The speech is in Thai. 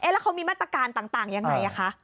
แล้วเขามีมาตรการต่างยังไงคะ